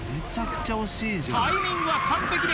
タイミングは完璧でした。